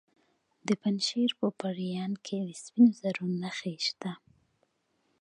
د پنجشیر په پریان کې د سپینو زرو نښې شته.